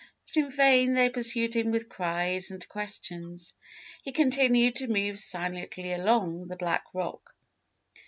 But in vain they pursued him with cries and questions; he continued to move silently along the black rock.